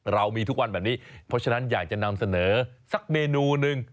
เรามีทุกวันแบบนี้เพราะฉะนั้นอยากจะนำเสนอสักเมนูหนึ่ง